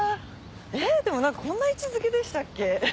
えっでもこんな位置付けでしたっけ？